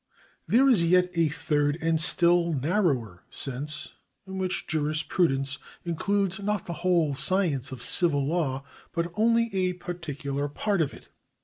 There is yet a third and still narrower sense, in which juris prudence includes not the whole science of civil law, but only a particular part of it.